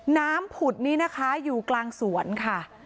ผุดนี้นะคะอยู่กลางสวนค่ะ